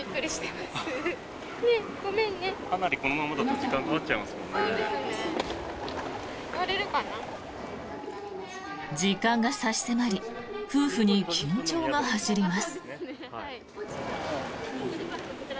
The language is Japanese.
時間が差し迫り夫婦に緊張が走ります。